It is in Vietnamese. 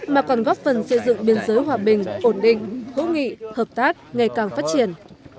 mà còn góp phần xây dựng biên giới hòa bình ổn định hữu nghị hợp tác ngày càng phát triển